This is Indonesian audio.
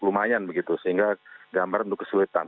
lumayan begitu sehingga gambar tentu kesulitan